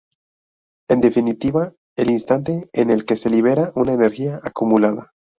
En definitiva, el instante en el que se libera una energía acumulada.